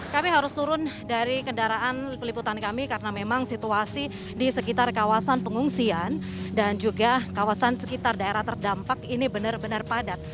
kami harus turun dari kendaraan peliputan kami karena memang situasi di sekitar kawasan pengungsian dan juga kawasan sekitar daerah terdampak ini benar benar padat